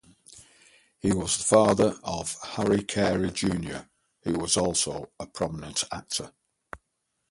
He was the father of Harry Carey Junior who was also a prominent actor.